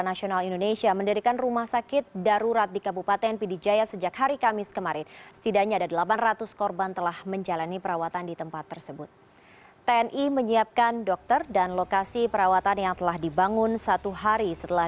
pemerintah daerah kabupaten pidijaya belum mengetahui sampai kapan aktivitas belajar yang tidak hancur